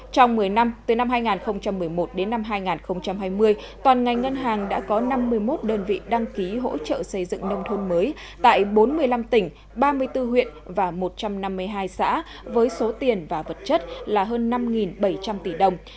trong một mươi năm từ năm hai nghìn một mươi một đến năm hai nghìn hai mươi toàn ngành ngân hàng đã có năm mươi một đơn vị đăng ký hỗ trợ xây dựng nông thôn mới tại bốn mươi năm tỉnh ba mươi bốn huyện và một trăm năm mươi hai xã với số tiền và vật chất là hơn năm bảy trăm linh tỷ đồng